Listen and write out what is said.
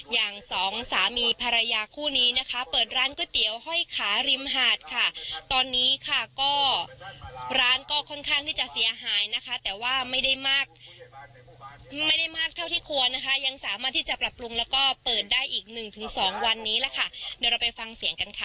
อย่างสองสามีภรรยาคู่นี้นะคะเปิดร้านก๋วยเตี๋ยวห้อยขาริมหาดค่ะตอนนี้ค่ะก็ร้านก็ค่อนข้างที่จะเสียหายนะคะแต่ว่าไม่ได้มากไม่ได้มากเท่าที่ควรนะคะยังสามารถที่จะปรับปรุงแล้วก็เปิดได้อีกหนึ่งถึงสองวันนี้แหละค่ะเดี๋ยวเราไปฟังเสียงกันค่ะ